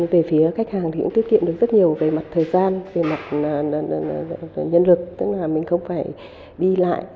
về phía khách hàng thì cũng tiết kiệm được rất nhiều về mặt thời gian về mặt nhân lực tức là mình không phải đi lại